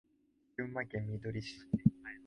群馬県みどり市